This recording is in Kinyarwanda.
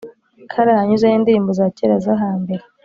Karahanyuze nindirimbo zacyera zahambere